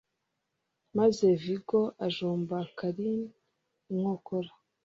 maze Viggo ajomba Karen inkokora